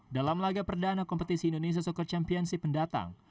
dalam laga perdana kompetisi indonesia soccer championship mendatang